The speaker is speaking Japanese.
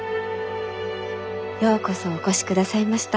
ようこそお越しくださいました。